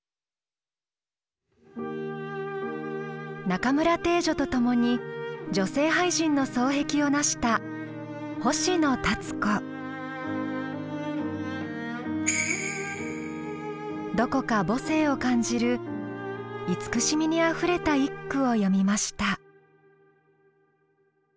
中村汀女と共に女性俳人の双璧をなしたどこか母性を感じる慈しみにあふれた一句を詠みました。